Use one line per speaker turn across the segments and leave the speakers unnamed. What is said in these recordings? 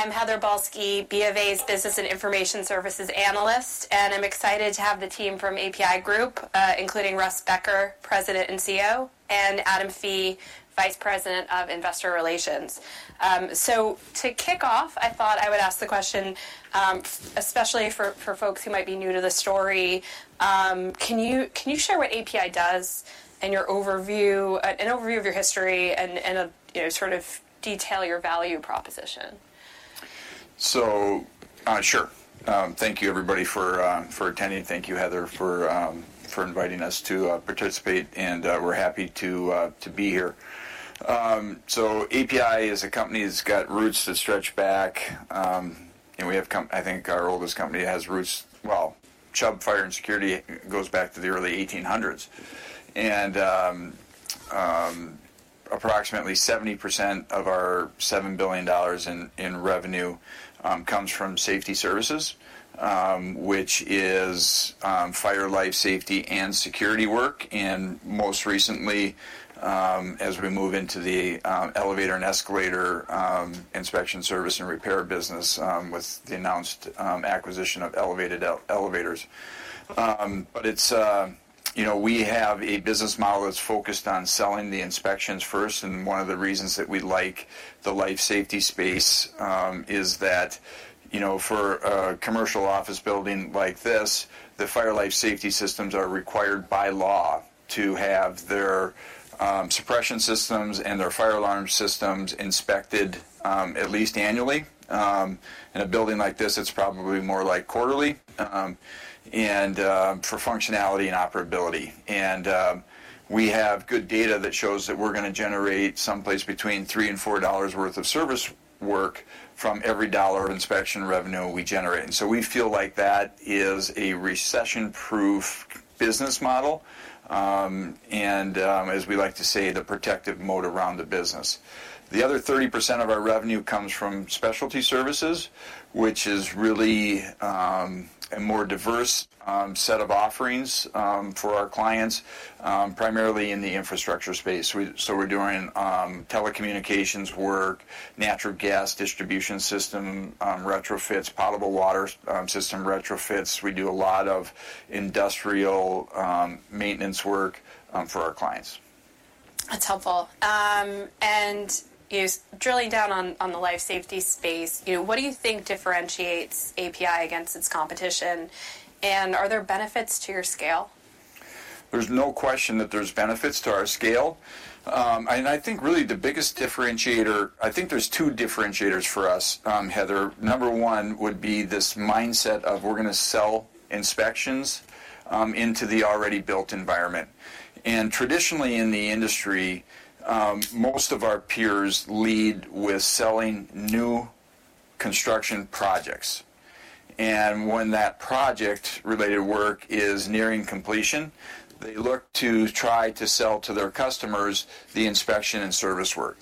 I'm Heather Balsky, B of A's Business and Information Services Analyst, and I'm excited to have the team from APi Group, including Russ Becker, President and CEO, and Adam Fee, Vice President of Investor Relations. To kick off, I thought I would ask the question, especially for folks who might be new to the story, can you share what APi does and an overview of your history and sort of detail your value proposition?
Sure. Thank you, everybody, for attending. Thank you, Heather, for inviting us to participate, and we're happy to be here. So APi is a company that's got roots that stretch back. We have, I think, our oldest company has roots well, Chubb Fire and Security goes back to the early 1800s. And approximately 70% of our $7 billion in revenue comes from safety services, which is fire, life, safety, and security work. And most recently, as we move into the elevator and escalator inspection service and repair business with the announced acquisition of Elevated. But we have a business model that's focused on selling the inspections first. One of the reasons that we like the life safety space is that for a commercial office building like this, the fire, life, safety systems are required by law to have their suppression systems and their fire alarm systems inspected at least annually. In a building like this, it's probably more like quarterly and for functionality and operability. We have good data that shows that we're going to generate someplace between $3-$4 worth of service work from every dollar of inspection revenue we generate. So we feel like that is a recession-proof business model and, as we like to say, the protective moat around the business. The other 30% of our revenue comes from specialty services, which is really a more diverse set of offerings for our clients, primarily in the infrastructure space. We're doing telecommunications work, natural gas distribution system retrofits, potable water system retrofits. We do a lot of industrial maintenance work for our clients.
That's helpful. Drilling down on the life safety space, what do you think differentiates APi against its competition? Are there benefits to your scale?
There's no question that there's benefits to our scale. I think really the biggest differentiator. I think there's two differentiators for us, Heather. Number one would be this mindset of we're going to sell inspections into the already built environment. Traditionally, in the industry, most of our peers lead with selling new construction projects. When that project-related work is nearing completion, they look to try to sell to their customers the inspection and service work.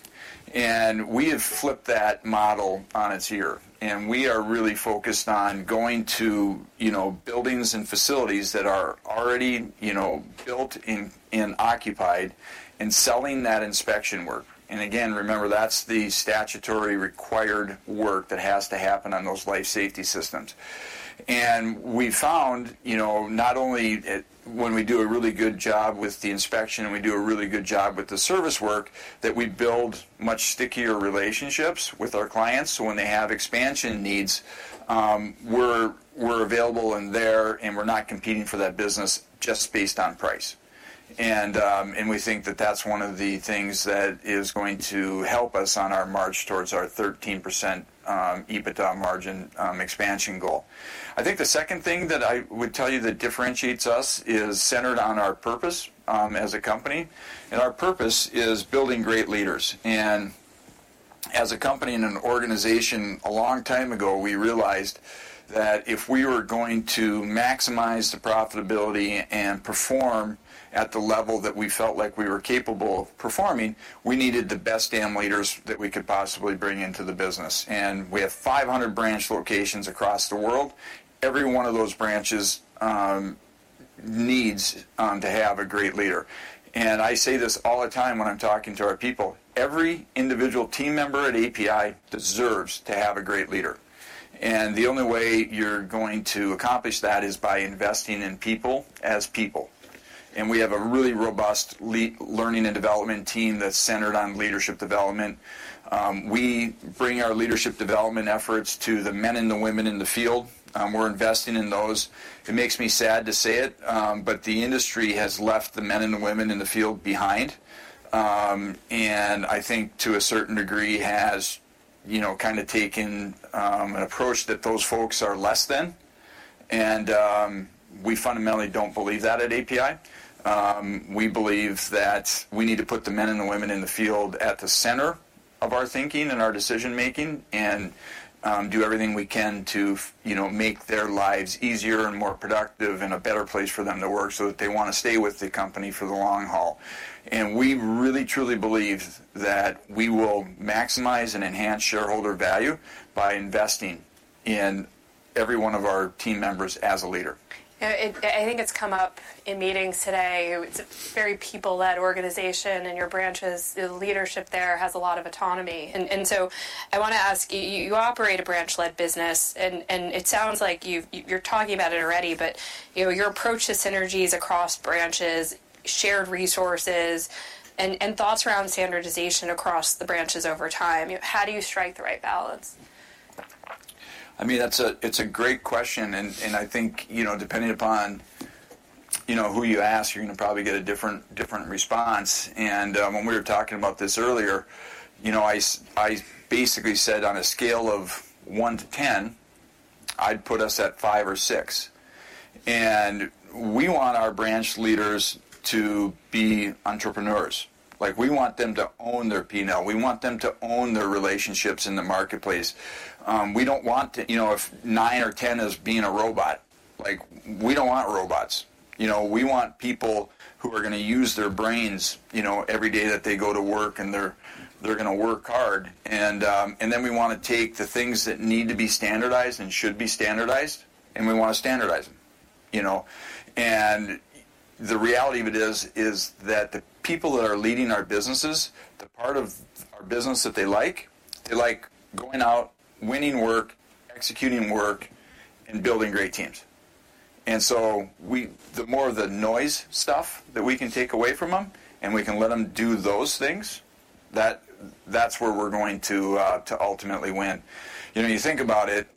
We have flipped that model on its ear. We are really focused on going to buildings and facilities that are already built and occupied and selling that inspection work. Again, remember, that's the statutory required work that has to happen on those life safety systems. And we found not only when we do a really good job with the inspection and we do a really good job with the service work, that we build much stickier relationships with our clients. So when they have expansion needs, we're available and there, and we're not competing for that business just based on price. And we think that that's one of the things that is going to help us on our march towards our 13% EBITDA margin expansion goal. I think the second thing that I would tell you that differentiates us is centered on our purpose as a company. And our purpose is building great leaders. As a company and an organization, a long time ago, we realized that if we were going to maximize the profitability and perform at the level that we felt like we were capable of performing, we needed the best damn leaders that we could possibly bring into the business. We have 500 branch locations across the world. Every one of those branches needs to have a great leader. I say this all the time when I'm talking to our people. Every individual team member at APi deserves to have a great leader. The only way you're going to accomplish that is by investing in people as people. We have a really robust learning and development team that's centered on leadership development. We bring our leadership development efforts to the men and the women in the field. We're investing in those. It makes me sad to say it, but the industry has left the men and the women in the field behind. And I think, to a certain degree, has kind of taken an approach that those folks are less than. And we fundamentally don't believe that at APi. We believe that we need to put the men and the women in the field at the center of our thinking and our decision-making and do everything we can to make their lives easier and more productive and a better place for them to work so that they want to stay with the company for the long haul. And we really, truly believe that we will maximize and enhance shareholder value by investing in every one of our team members as a leader.
I think it's come up in meetings today. It's a very people-led organization, and your branch's leadership there has a lot of autonomy. And so I want to ask, you operate a branch-led business, and it sounds like you're talking about it already, but your approach to synergies across branches, shared resources, and thoughts around standardization across the branches over time, how do you strike the right balance?
I mean, it's a great question. I think depending upon who you ask, you're going to probably get a different response. When we were talking about this earlier, I basically said, on a scale of one to 10, I'd put us at five or six. We want our branch leaders to be entrepreneurs. We want them to own their P&L. We want them to own their relationships in the marketplace. We don't want to if nine or 10 is being a robot, we don't want robots. We want people who are going to use their brains every day that they go to work, and they're going to work hard. Then we want to take the things that need to be standardized and should be standardized, and we want to standardize them. The reality of it is that the people that are leading our businesses, the part of our business that they like, they like going out, winning work, executing work, and building great teams. And so the more of the noise stuff that we can take away from them and we can let them do those things, that's where we're going to ultimately win. You think about it,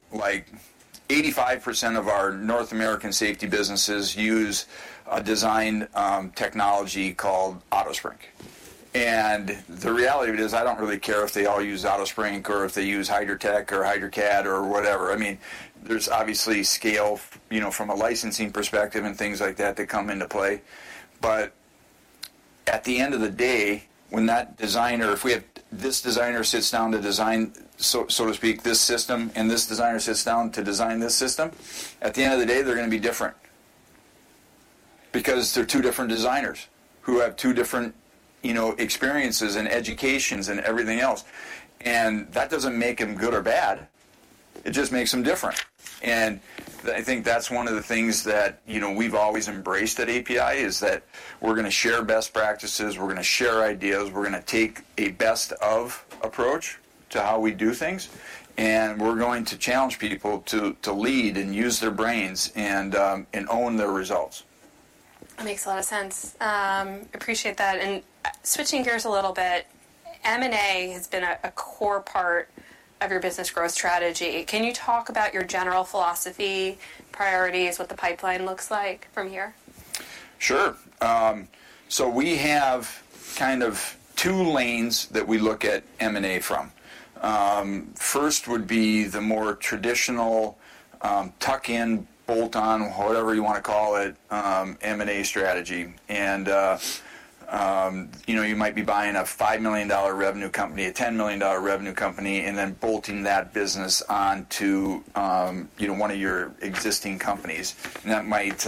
85% of our North American safety businesses use a design technology called AutoSPRINK. And the reality of it is, I don't really care if they all use AutoSPRINK or if they use Hydratec or HydraCAD or whatever. I mean, there's obviously scale from a licensing perspective and things like that that come into play. But at the end of the day, when that designer, if this designer, sits down to design, so to speak, this system, and this designer sits down to design this system, at the end of the day, they're going to be different because they're two different designers who have two different experiences and educations and everything else. That doesn't make them good or bad. It just makes them different. I think that's one of the things that we've always embraced at APi, is that we're going to share best practices. We're going to share ideas. We're going to take a best-of approach to how we do things. We're going to challenge people to lead and use their brains and own their results.
That makes a lot of sense. Appreciate that. Switching gears a little bit, M&A has been a core part of your business growth strategy. Can you talk about your general philosophy, priorities, what the pipeline looks like from here?
Sure. So we have kind of two lanes that we look at M&A from. First would be the more traditional tuck-in, bolt-on, whatever you want to call it, M&A strategy. And you might be buying a $5 million revenue company, a $10 million revenue company, and then bolting that business onto one of your existing companies. And that might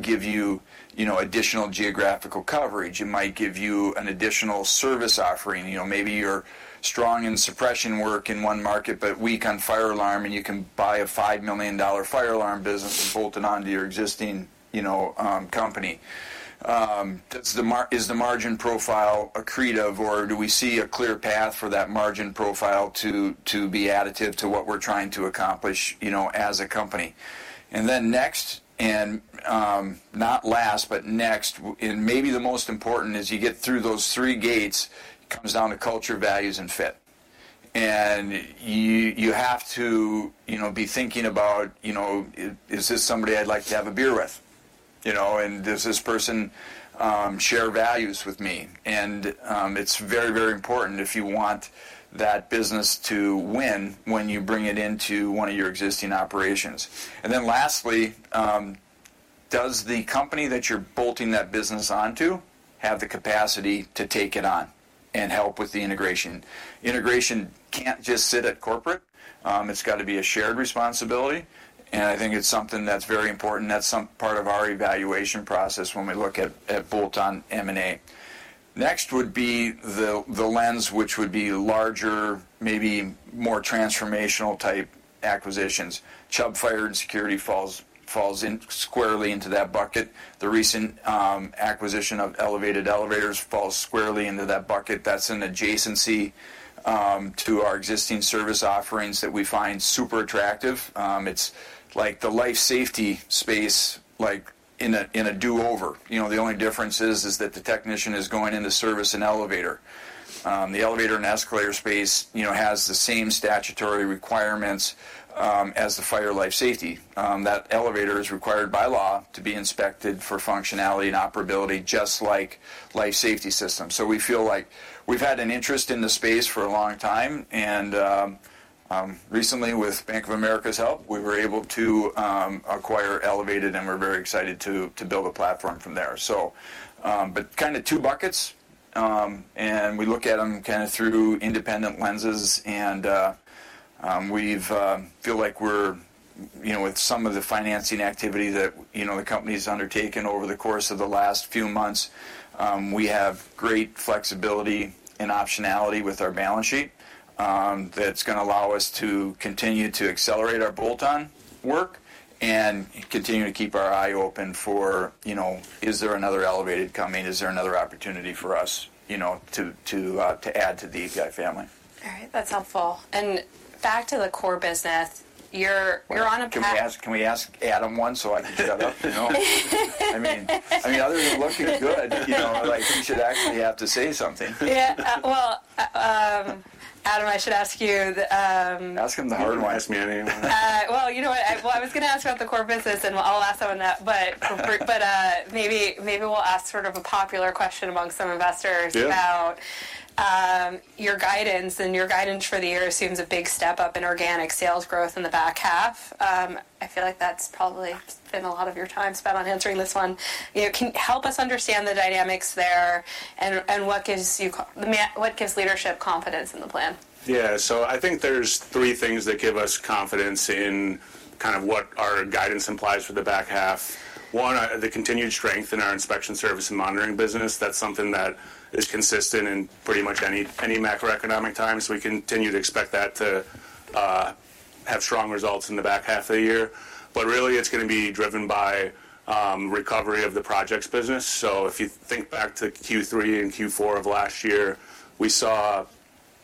give you additional geographical coverage. It might give you an additional service offering. Maybe you're strong in suppression work in one market but weak on fire alarm, and you can buy a $5 million fire alarm business and bolt it onto your existing company. Is the margin profile accretive, or do we see a clear path for that margin profile to be additive to what we're trying to accomplish as a company? And then next, and not last, but next, and maybe the most important, as you get through those three gates, comes down to culture, values, and fit. And you have to be thinking about, "Is this somebody I'd like to have a beer with? And does this person share values with me?" And it's very, very important if you want that business to win when you bring it into one of your existing operations. And then lastly, does the company that you're bolting that business onto have the capacity to take it on and help with the integration? Integration can't just sit at corporate. It's got to be a shared responsibility. And I think it's something that's very important. That's part of our evaluation process when we look at bolt-on M&A. Next would be the lens, which would be larger, maybe more transformational-type acquisitions. Chubb Fire and Security falls squarely into that bucket. The recent acquisition of Elevated Elevators falls squarely into that bucket. That's an adjacency to our existing service offerings that we find super attractive. It's like the life safety space in a do-over. The only difference is that the technician is going into service an elevator. The elevator and escalator space has the same statutory requirements as the fire, life safety. That elevator is required by law to be inspected for functionality and operability just like life safety systems. So we feel like we've had an interest in the space for a long time. And recently, with Bank of America's help, we were able to acquire Elevated, and we're very excited to build a platform from there. But kind of two buckets. And we look at them kind of through independent lenses. We feel like we're, with some of the financing activity that the company's undertaken over the course of the last few months, we have great flexibility and optionality with our balance sheet that's going to allow us to continue to accelerate our bolt-on work and continue to keep our eye open for, "Is there another Elevated coming? Is there another opportunity for us to add to the APi family?
All right. That's helpful. Back to the core business, you're on a path.
Can we ask Adam one so I can shut up? I mean, other than looking good, he should actually have to say something.
Yeah. Well, Adam, I should ask you.
Ask him the hard one.
Can you ask me anything?
I was going to ask about the core business, and I'll ask him on that. Maybe we'll ask sort of a popular question among some investors about your guidance. Your guidance for the year seems a big step up in organic sales growth in the back half. I feel like that's probably been a lot of your time spent on answering this one. Can you help us understand the dynamics there and what gives leadership confidence in the plan?
Yeah. So I think there's three things that give us confidence in kind of what our guidance implies for the back half. One, the continued strength in our inspection service and monitoring business. That's something that is consistent in pretty much any macroeconomic times. We continue to expect that to have strong results in the back half of the year. But really, it's going to be driven by recovery of the projects business. So if you think back to Q3 and Q4 of last year, we saw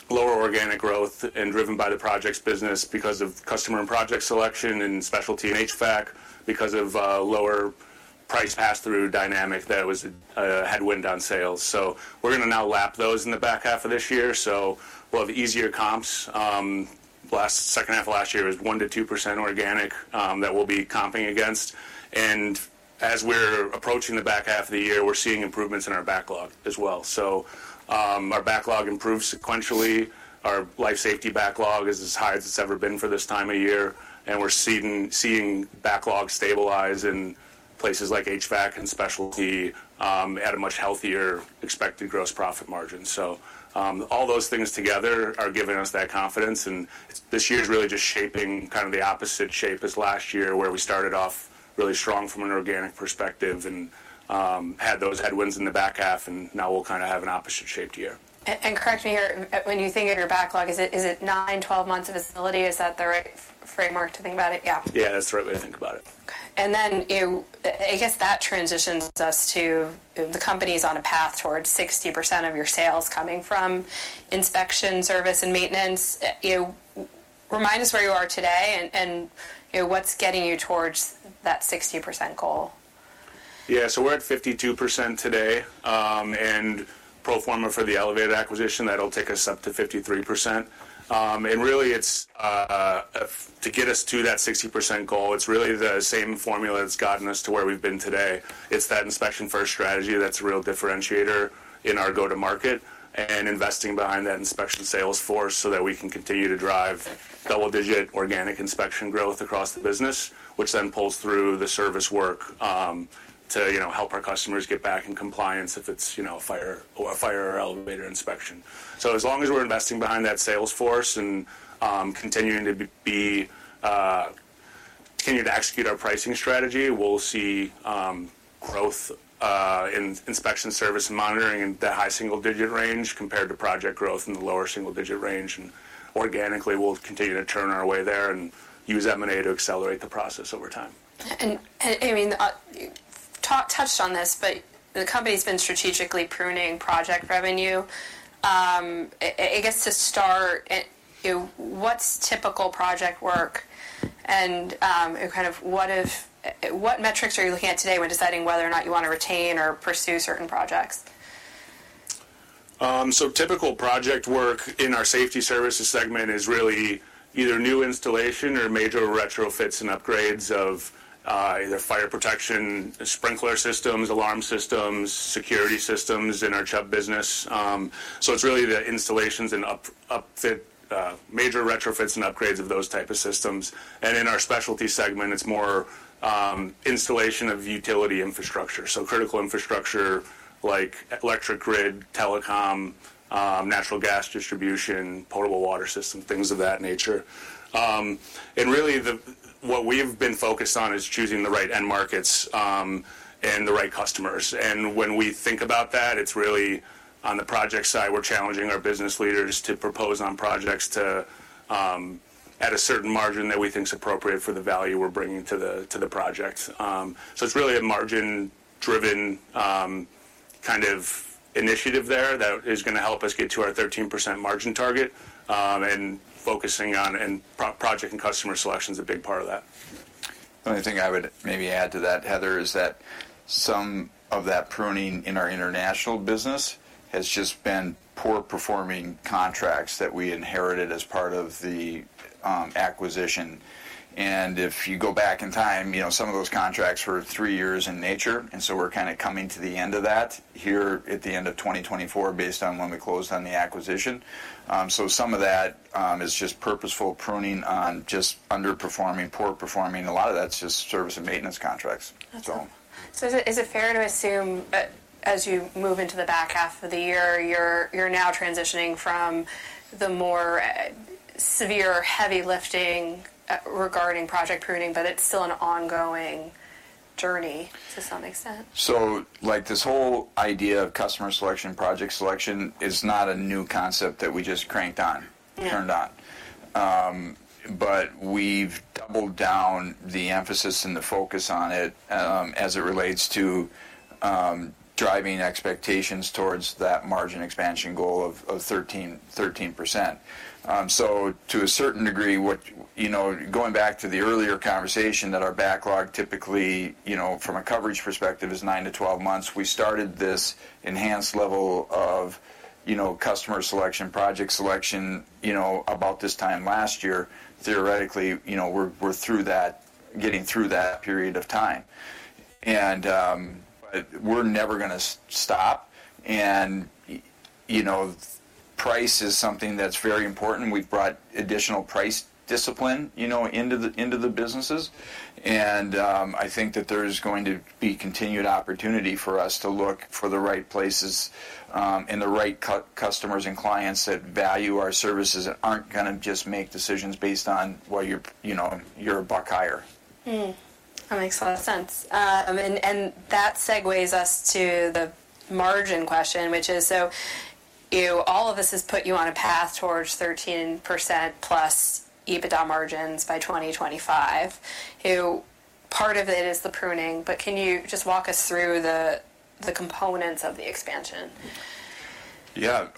lower organic growth and driven by the projects business because of customer and project selection and specialty and HVAC because of lower price pass-through dynamic that had waned on sales. So we're going to now lap those in the back half of this year. So we'll have easier comps. Second half of last year was 1%-2% organic that we'll be comping against. As we're approaching the back half of the year, we're seeing improvements in our backlog as well. So our backlog improves sequentially. Our life safety backlog is as high as it's ever been for this time of year. And we're seeing backlog stabilize in places like HVAC and specialty at a much healthier expected gross profit margin. So all those things together are giving us that confidence. And this year is really just shaping kind of the opposite shape as last year, where we started off really strong from an organic perspective and had those headwinds in the back half. And now we'll kind of have an opposite-shaped year.
Correct me here. When you think of your backlog, is it nine, 12 months of facility? Is that the right framework to think about it? Yeah.
Yeah. That's the right way to think about it.
Okay. And then I guess that transitions us to the company's on a path towards 60% of your sales coming from inspection, service, and maintenance. Remind us where you are today and what's getting you towards that 60% goal.
Yeah. So we're at 52% today. And pro forma for the elevator acquisition, that'll take us up to 53%. And really, to get us to that 60% goal, it's really the same formula that's gotten us to where we've been today. It's that inspection-first strategy that's a real differentiator in our go-to-market and investing behind that inspection-sales force so that we can continue to drive double-digit organic inspection growth across the business, which then pulls through the service work to help our customers get back in compliance if it's a fire or elevator inspection. So as long as we're investing behind that sales force and continuing to execute our pricing strategy, we'll see growth in inspection service and monitoring in that high single-digit range compared to project growth in the lower single-digit range. Organically, we'll continue to turn our way there and use M&A to accelerate the process over time.
I mean, you touched on this, but the company's been strategically pruning project revenue. I guess to start, what's typical project work? And kind of what metrics are you looking at today when deciding whether or not you want to retain or pursue certain projects?
So typical project work in our safety services segment is really either new installation or major retrofits and upgrades of either fire protection sprinkler systems, alarm systems, security systems in our Chubb business. So it's really the installations and major retrofits and upgrades of those types of systems. And in our specialty segment, it's more installation of utility infrastructure, so critical infrastructure like electric grid, telecom, natural gas distribution, potable water system, things of that nature. And really, what we've been focused on is choosing the right end markets and the right customers. And when we think about that, it's really on the project side. We're challenging our business leaders to propose on projects at a certain margin that we think's appropriate for the value we're bringing to the project. It's really a margin-driven kind of initiative there that is going to help us get to our 13% margin target. Project and customer selection's a big part of that.
The only thing I would maybe add to that, Heather, is that some of that pruning in our international business has just been poor-performing contracts that we inherited as part of the acquisition. And if you go back in time, some of those contracts were three years in nature. And so we're kind of coming to the end of that here at the end of 2024 based on when we closed on the acquisition. So some of that is just purposeful pruning on just underperforming, poor-performing. A lot of that's just service and maintenance contracts, so.
That's cool. So is it fair to assume, as you move into the back half of the year, you're now transitioning from the more severe, heavy lifting regarding project pruning, but it's still an ongoing journey to some extent?
So this whole idea of customer selection, project selection, is not a new concept that we just cranked on, turned on. But we've doubled down the emphasis and the focus on it as it relates to driving expectations towards that margin expansion goal of 13%. So to a certain degree, going back to the earlier conversation that our backlog typically, from a coverage perspective, is 9-12 months, we started this enhanced level of customer selection, project selection about this time last year. Theoretically, we're getting through that period of time. But we're never going to stop. And price is something that's very important. We've brought additional price discipline into the businesses. I think that there's going to be continued opportunity for us to look for the right places and the right customers and clients that value our services that aren't going to just make decisions based on, "Well, you're a buck higher.
That makes a lot of sense. And that segues us to the margin question, which is so all of this has put you on a path towards 13%+ EBITDA margins by 2025. Part of it is the pruning, but can you just walk us through the components of the expansion?
Yeah.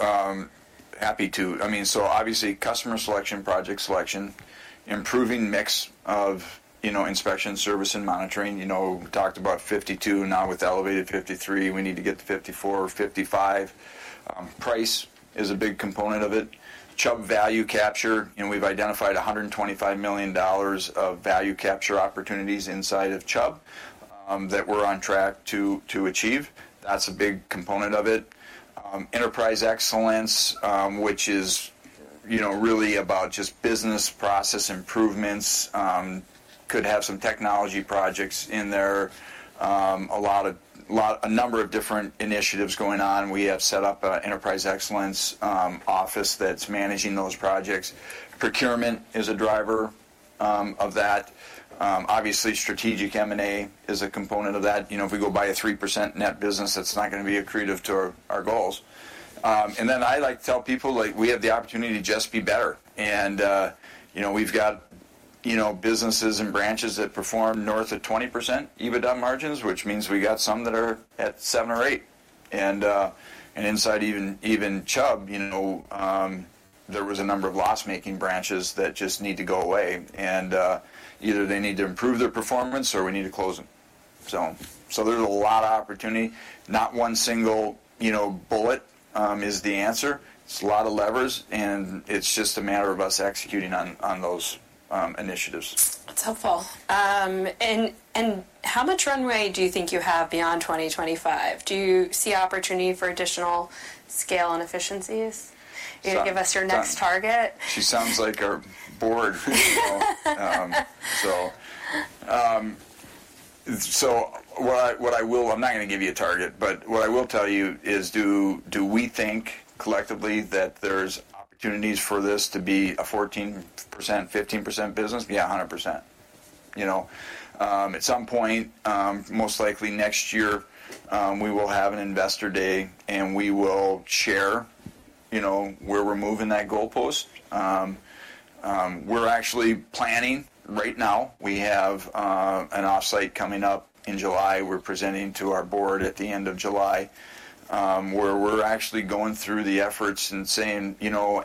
Happy to. I mean, so obviously, customer selection, project selection, improving mix of inspection, service, and monitoring. We talked about 52 now with Elevated, 53. We need to get to 54, 55. Price is a big component of it. Chubb value capture, we've identified $125 million of value capture opportunities inside of Chubb that we're on track to achieve. That's a big component of it. Enterprise Excellence, which is really about just business process improvements, could have some technology projects in there, a number of different initiatives going on. We have set up an Enterprise Excellence office that's managing those projects. Procurement is a driver of that. Obviously, strategic M&A is a component of that. If we go buy a 3% net business, that's not going to be accretive to our goals. And then I like to tell people we have the opportunity to just be better. We've got businesses and branches that perform north of 20% EBITDA margins, which means we got some that are at seven or eight. Inside even Chubb, there was a number of loss-making branches that just need to go away. Either they need to improve their performance or we need to close them, so. So there's a lot of opportunity. Not one single bullet is the answer. It's a lot of levers. It's just a matter of us executing on those initiatives.
That's helpful. And how much runway do you think you have beyond 2025? Do you see opportunity for additional scale and efficiencies? You want to give us your next target?
She sounds like our board, so. So what I will, I'm not going to give you a target. But what I will tell you is, do we think collectively that there's opportunities for this to be a 14%, 15% business? Yeah, 100%. At some point, most likely next year, we will have an investor day, and we will share where we're moving that goalpost. We're actually planning right now. We have an offsite coming up in July. We're presenting to our board at the end of July, where we're actually going through the efforts and saying,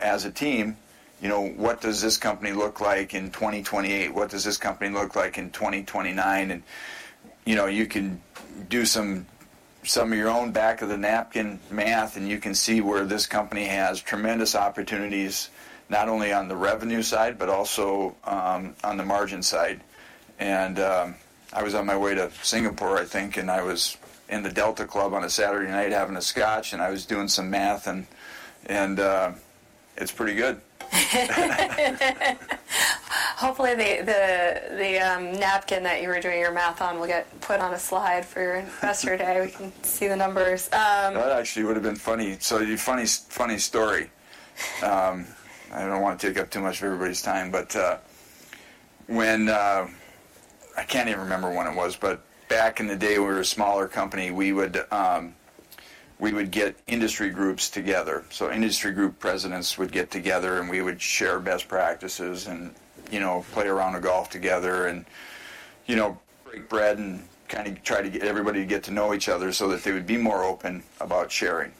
as a team. "What does this company look like in 2028? What does this company look like in 2029?" And you can do some of your own back-of-the-napkin math, and you can see where this company has tremendous opportunities not only on the revenue side but also on the margin side. And I was on my way to Singapore, I think, and I was in the Delta Club on a Saturday night having a scotch. And I was doing some math, and it's pretty good.
Hopefully, the napkin that you were doing your math on will get put on a slide for your investor day. We can see the numbers.
That actually would have been funny. So funny story. I don't want to take up too much of everybody's time. But I can't even remember when it was. But back in the day, we were a smaller company. We would get industry groups together. So industry group presidents would get together, and we would share best practices and play a round of golf together and break bread and kind of try to get everybody to get to know each other so that they would be more open about sharing.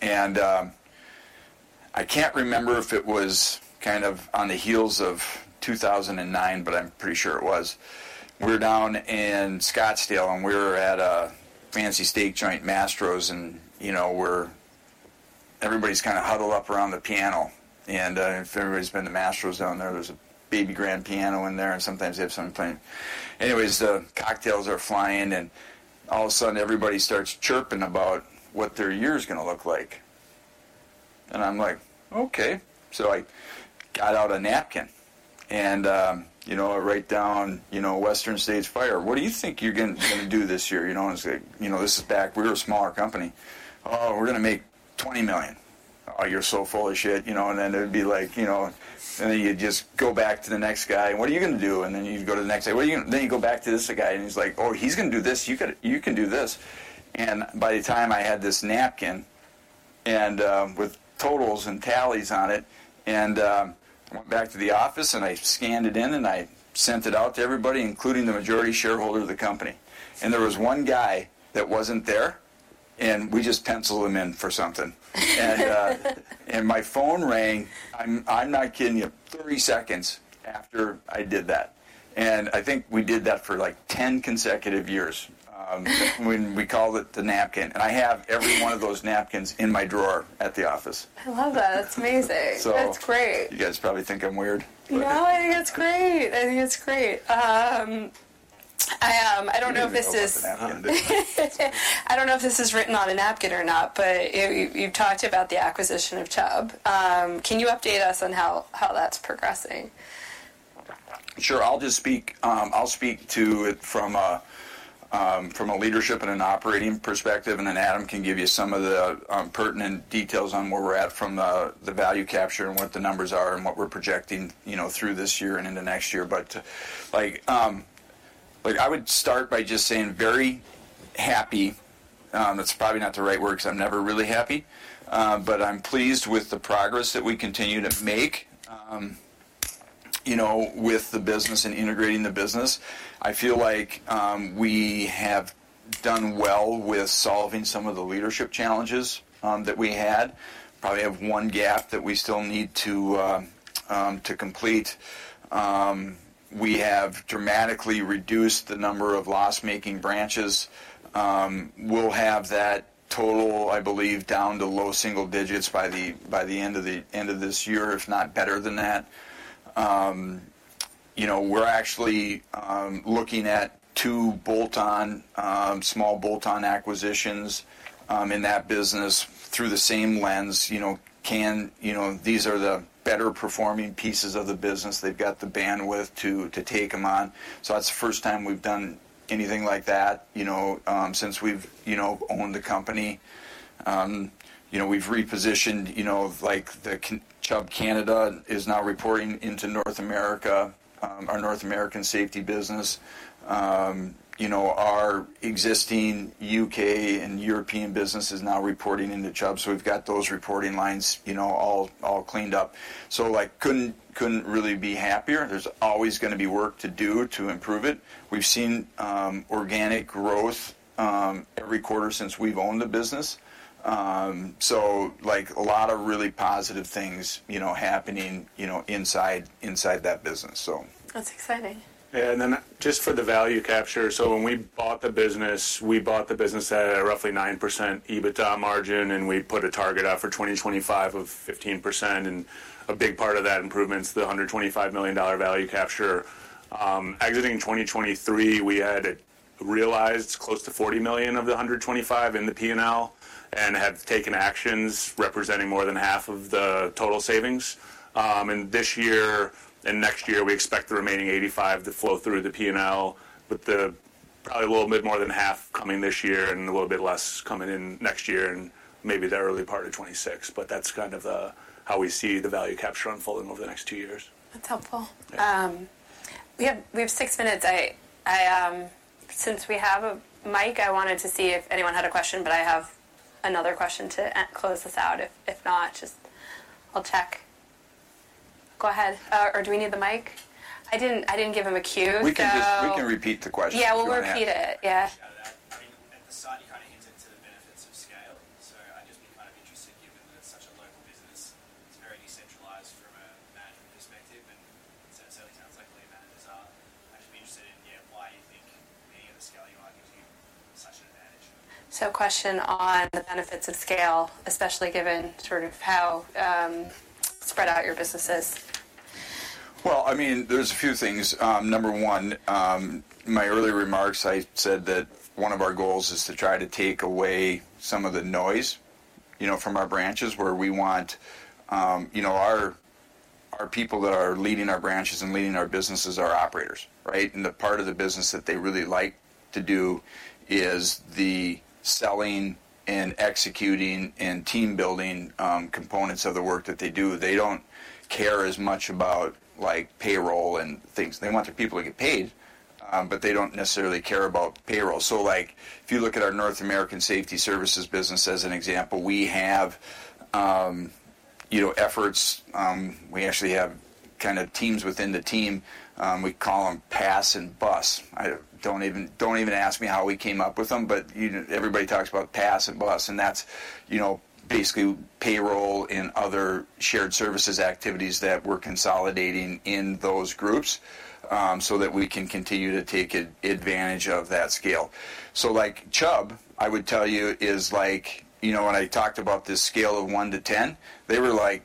And I can't remember if it was kind of on the heels of 2009, but I'm pretty sure it was. We were down in Scottsdale, and we were at a fancy steak joint, Mastro's. And everybody's kind of huddled up around the piano. And if everybody's been to Mastro's down there, there's a baby grand piano in there. Sometimes they have some fun. Anyways, the cocktails are flying. All of a sudden, everybody starts chirping about what their year's going to look like. I'm like, "Okay." So I got out a napkin and wrote down, "Western States Fire. What do you think you're going to do this year?" It's like, "This is back." We were a smaller company. "Oh, we're going to make $20 million." "Oh, you're so foolish shit." Then it would be like and then you'd just go back to the next guy. "What are you going to do?" Then you'd go to the next guy. "What are you going to " then you'd go back to this guy, and he's like, "Oh, he's going to do this. You can do this." And by the time I had this napkin with totals and tallies on it and I went back to the office, and I scanned it in, and I sent it out to everybody, including the majority shareholder of the company. And there was one guy that wasn't there, and we just penciled him in for something. And my phone rang. I'm not kidding you. 30 seconds after I did that. And I think we did that for like 10 consecutive years. We called it the napkin. And I have every one of those napkins in my drawer at the office.
I love that. That's amazing. That's great.
So you guys probably think I'm weird, but.
No, I think it's great. I think it's great. I don't know if this is.
I don't know if it's on a napkin.
I don't know if this is written on a napkin or not, but you've talked about the acquisition of Chubb. Can you update us on how that's progressing?
Sure. I'll speak to it from a leadership and an operating perspective. And then Adam can give you some of the pertinent details on where we're at from the value capture and what the numbers are and what we're projecting through this year and into next year. But I would start by just saying very happy. That's probably not the right word because I'm never really happy. But I'm pleased with the progress that we continue to make with the business and integrating the business. I feel like we have done well with solving some of the leadership challenges that we had. Probably have one gap that we still need to complete. We have dramatically reduced the number of loss-making branches. We'll have that total, I believe, down to low single digits by the end of this year, if not better than that. We're actually looking at two small bolt-on acquisitions in that business through the same lens. These are the better-performing pieces of the business. They've got the bandwidth to take them on. So that's the first time we've done anything like that since we've owned the company. We've repositioned the Chubb. Canada is now reporting into North America, our North American safety business. Our existing U.K. and European business is now reporting into Chubb. So we've got those reporting lines all cleaned up. So couldn't really be happier. There's always going to be work to do to improve it. We've seen organic growth every quarter since we've owned the business. So a lot of really positive things happening inside that business, so.
That's exciting.
Yeah. And then just for the value capture, so when we bought the business, we bought the business at a roughly 9% EBITDA margin, and we put a target out for 2025 of 15%. And a big part of that improvement's the $125 million value capture. Exiting 2023, we had realized close to $40 million of the $125 million in the P&L and had taken actions representing more than half of the total savings. And this year and next year, we expect the remaining $85 million to flow through the P&L, with probably a little bit more than half coming this year and a little bit less coming in next year and maybe the early part of 2026. But that's kind of how we see the value capture unfolding over the next two years.
That's helpful. We have six minutes. Since we have a mic, I wanted to see if anyone had a question, but I have another question to close this out. If not, I'll check. Go ahead. Or do we need the mic? I didn't give him a cue, so.
We can repeat the question.
Yeah, we'll repeat it. Yeah.
I mean, at the start, you kind of hinted to the benefits of scale. So I'd just be kind of interested, given that it's such a local business, it's very decentralized from a management perspective. And so it certainly sounds like lead managers are actually interested in, yeah, why you think being at the scale you are gives you such an advantage.
Question on the benefits of scale, especially given sort of how spread out your business is?
Well, I mean, there's a few things. Number one, in my earlier remarks, I said that one of our goals is to try to take away some of the noise from our branches, where we want our people that are leading our branches and leading our businesses are operators, right? And the part of the business that they really like to do is the selling and executing and team-building components of the work that they do. They don't care as much about payroll and things. They want their people to get paid, but they don't necessarily care about payroll. So if you look at our North American Safety Services business as an example, we have efforts. We actually have kind of teams within the team. We call them PAS and BUS. Don't even ask me how we came up with them, but everybody talks about PAS and BUS. That's basically payroll and other shared services activities that we're consolidating in those groups so that we can continue to take advantage of that scale. So Chubb, I would tell you, is like when I talked about the scale of 1-10, they were like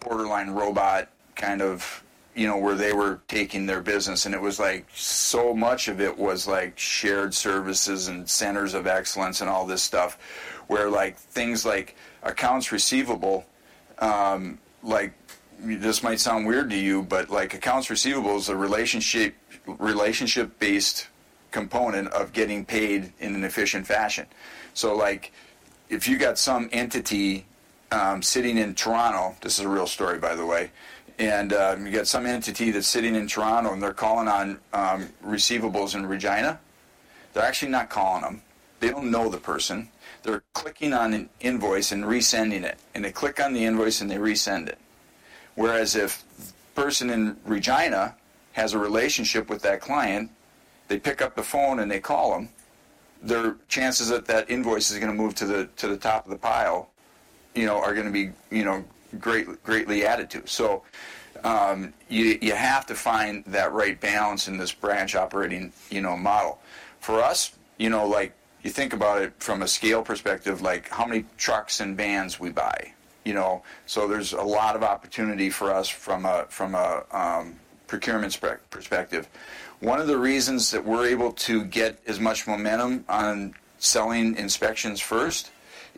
borderline robotic kind of where they were taking their business. It was like so much of it was shared services and centers of excellence and all this stuff, where things like accounts receivable, this might sound weird to you, but accounts receivable is a relationship-based component of getting paid in an efficient fashion. So if you got some entity sitting in Toronto, this is a real story, by the way. You got some entity that's sitting in Toronto, and they're calling on receivables in Regina. They're actually not calling them. They don't know the person. They're clicking on an invoice and resending it. And they click on the invoice, and they resend it. Whereas if the person in Regina has a relationship with that client, they pick up the phone, and they call them, their chances that that invoice is going to move to the top of the pile are going to be greatly added to. So you have to find that right balance in this branch operating model. For us, you think about it from a scale perspective, how many trucks and vans we buy. So there's a lot of opportunity for us from a procurement perspective. One of the reasons that we're able to get as much momentum on selling inspections first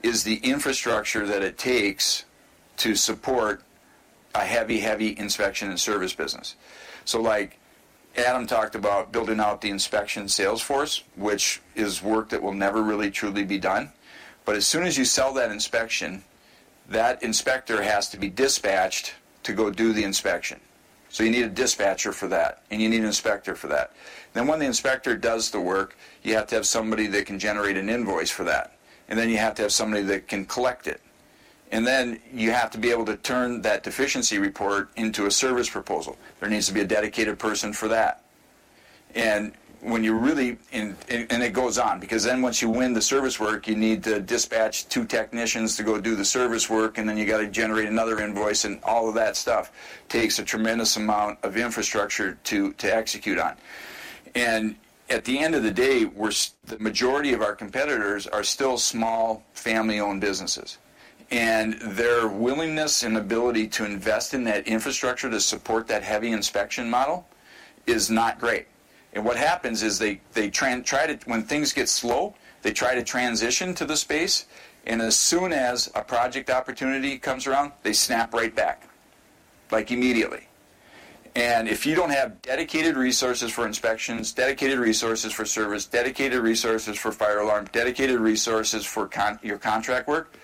is the infrastructure that it takes to support a heavy, heavy inspection and service business. So Adam talked about building out the inspection salesforce, which is work that will never really truly be done. But as soon as you sell that inspection, that inspector has to be dispatched to go do the inspection. So you need a dispatcher for that, and you need an inspector for that. Then when the inspector does the work, you have to have somebody that can generate an invoice for that. And then you have to have somebody that can collect it. And then you have to be able to turn that deficiency report into a service proposal. There needs to be a dedicated person for that. And when you really and it goes on because then once you win the service work, you need to dispatch two technicians to go do the service work. And then you got to generate another invoice. All of that stuff takes a tremendous amount of infrastructure to execute on. At the end of the day, the majority of our competitors are still small family-owned businesses. Their willingness and ability to invest in that infrastructure to support that heavy inspection model is not great. What happens is they try to, when things get slow, they try to transition to the space. As soon as a project opportunity comes around, they snap right back, immediately. If you don't have dedicated resources for inspections, dedicated resources for service, dedicated resources for fire alarm, dedicated resources for your contract work,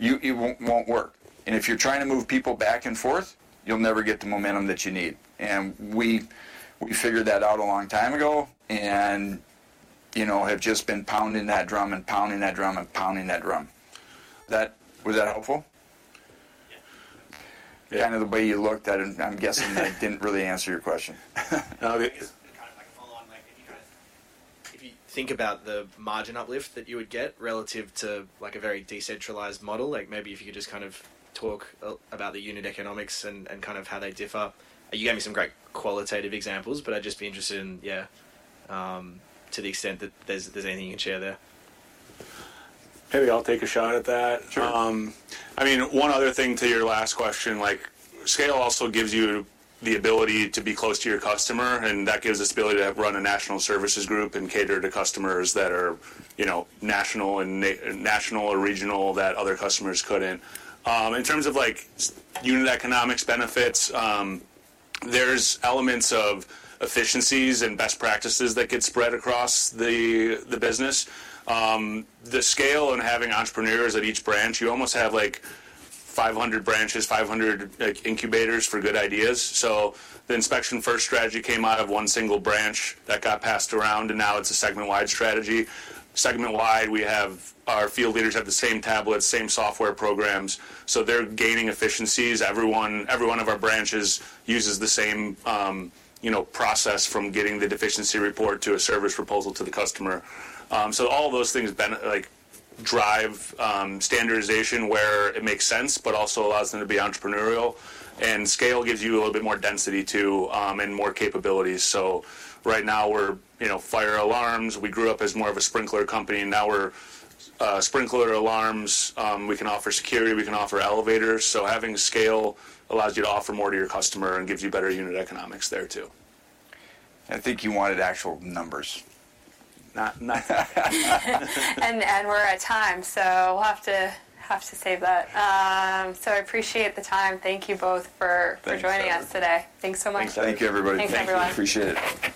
it won't work. If you're trying to move people back and forth, you'll never get the momentum that you need. We figured that out a long time ago and have just been pounding that drum and pounding that drum and pounding that drum. Was that helpful?
Yeah.
Kind of the way you looked, I'm guessing that didn't really answer your question.
Just kind of follow on. If you think about the margin uplift that you would get relative to a very decentralized model, maybe if you could just kind of talk about the unit economics and kind of how they differ. You gave me some great qualitative examples, but I'd just be interested in, yeah, to the extent that there's anything you can share there.
Maybe I'll take a shot at that. I mean, one other thing to your last question. Scale also gives you the ability to be close to your customer. And that gives us the ability to run a national services group and cater to customers that are national or regional that other customers couldn't. In terms of unit economics benefits, there's elements of efficiencies and best practices that get spread across the business. The scale and having entrepreneurs at each branch, you almost have 500 branches, 500 incubators for good ideas. So the inspection-first strategy came out of one single branch that got passed around, and now it's a segment-wide strategy. Segment-wide, our field leaders have the same tablets, same software programs. So they're gaining efficiencies. Every one of our branches uses the same process from getting the deficiency report to a service proposal to the customer. So all those things drive standardization where it makes sense but also allows them to be entrepreneurial. And scale gives you a little bit more density too and more capabilities. So right now, we're fire alarms. We grew up as more of a sprinkler company. Now we're sprinkler alarms. We can offer security. We can offer elevators. So having scale allows you to offer more to your customer and gives you better unit economics there too. I think you wanted actual numbers.
We're at time, so we'll have to save that. I appreciate the time. Thank you both for joining us today. Thanks so much.
Thank you, everybody. Thank you.
Thanks, everyone.
Appreciate it.